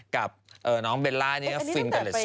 กับน้องเบลล่านี่ก็ฟินกันเลยสุด